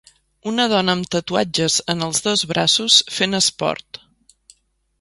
Una dona amb tatuatges en els dos braços fent esport